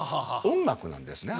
音楽なんですね。